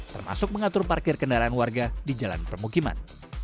termasuk mengatur parkir kendaraan warga di jalan permukiman